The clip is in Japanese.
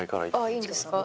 ああいいんですか？